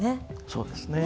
そうですね。